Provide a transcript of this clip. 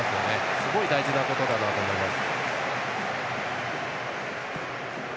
すごい大事なことだなと思います。